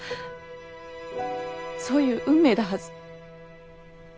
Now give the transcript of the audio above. そういう運命だはず。